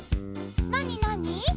なになに？